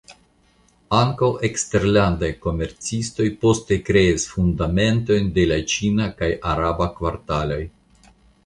Ankaŭ eksterlandaj komercistoj poste kreis fundamentojn de la ĉina kaj araba kvartaloj.